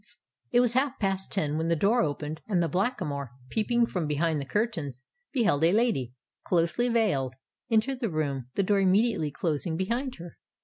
It was about half past ten, when the door opened; and the Blackamoor, peeping from behind the curtains, beheld a lady, closely veiled, enter the room, the door immediately closing behind her.